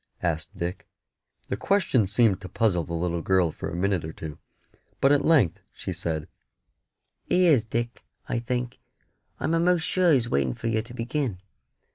asked Dick. The question seemed to puzzle the little girl for a minute or two; but at length she said "He is, Dick, I think; I'm a'most sure He's waiting for yer to begin."